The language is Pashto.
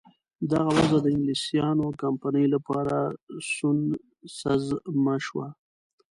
دغه وضع د انګلیسیانو کمپنۍ لپاره سونسزمه شوه.